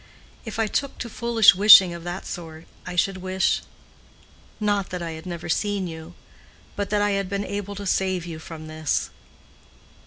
If I took to foolish wishing of that sort, I should wish—not that I had never seen you, but that I had been able to save you from this."